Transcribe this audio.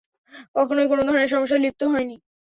কখনোই কোনো ধরনের সমস্যায় লিপ্ত হয় নি।